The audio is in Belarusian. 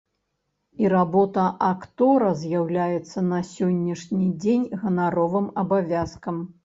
І работа актора з'яўляецца на сённяшні дзень ганаровым абавязкам.